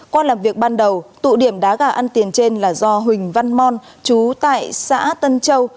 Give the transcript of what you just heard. qua làm việc ban đầu tụ điểm đá gà ăn tiền trên là do huỳnh văn mon chú tại xã tân châu